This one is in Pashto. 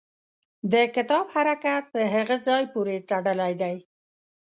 د کتاب حرکت په هغه ځای پورې تړلی دی.